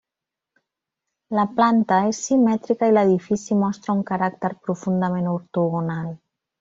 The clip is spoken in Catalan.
La planta és simètrica i l'edifici mostra un caràcter profundament ortogonal.